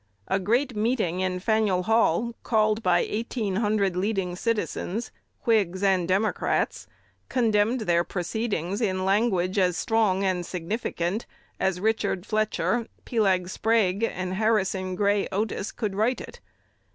A great meeting in Faneuil Hall, called by eighteen hundred leading citizens, Whigs and Democrats, condemned their proceedings in language as strong and significant as Richard Fletcher, Peleg Sprague, and Harrison Gray Otis could write it.